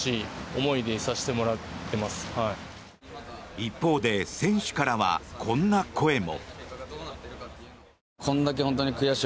一方で選手からはこんな声も。